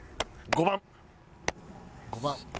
５番。